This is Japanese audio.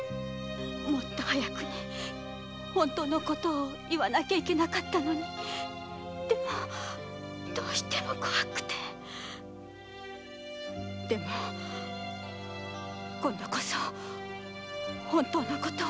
もっと早く本当の事を言わなきゃいけなかったのに怖くてでも今度こそ本当のこと